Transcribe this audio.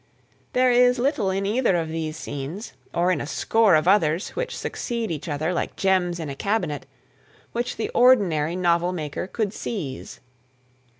There is little in either of these scenes, or in a score of others which succeed each other like gems in a cabinet, which the ordinary novel maker could "seize."